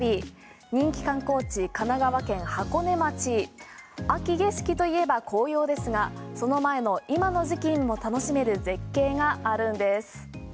人気観光地、神奈川県箱根町秋景色といえば紅葉ですがその前の今の時期にも楽しめる絶景があるんです。